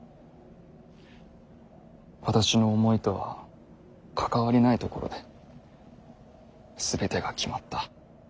私の思いとは関わりないところで全てが決まった。